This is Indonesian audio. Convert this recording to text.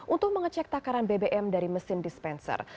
untuk mengecek takaran bbm dari mesin dispenser